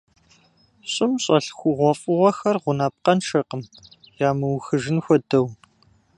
ЩӀым щӀэлъ хъугъуэфӀыгъуэхэр гъунапкъэншэкъым, ямыухыжын хуэдэу.